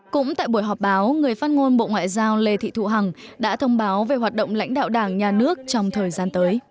cũng tại buổi họp báo người phát ngôn bộ ngoại giao lê thị thu hằng đã thông báo về hoạt động lãnh đạo đảng nhà nước trong thời gian tới